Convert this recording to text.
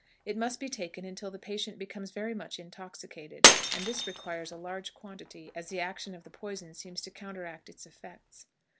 It must be taken until the patient becomes very much intoxicated, and this requires a large quantity, as the action of the poison seems to counteract its effects.